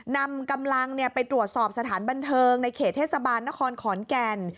นำกำลังไปตรวจสอบสถานบันเทิงในเขตเทศบาลนครขอนแก่น